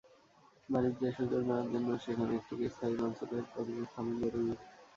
বাণিজ্যের সুযোগ নেওয়ার জন্য সেখানে একটি স্থায়ী কনস্যুলেট অফিস স্থাপন করা জরুরি।